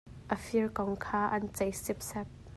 A fir kong kha an ceih sipsep.